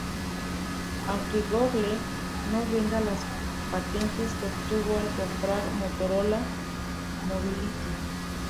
Aunque Google no vende las patentes que obtuvo al comprar Motorola Mobility.